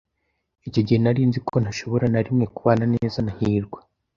Icyo gihe nari nzi ko ntashobora na rimwe kubana neza na hirwa.